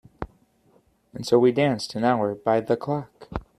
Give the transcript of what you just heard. And so we danced an hour by the clock.